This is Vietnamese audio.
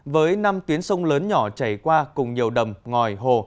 với năm tuyến sông lớn nhỏ chảy qua cùng nhiều đầm ngòi hồ